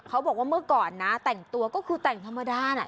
เขาบอกว่าเมื่อก่อนนะแต่งตัวก็คือแต่งธรรมดาน่ะ